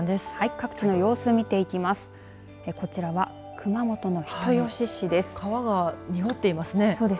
各地の様子を見ていきます。